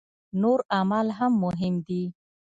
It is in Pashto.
نور اعمال هم مهم دي.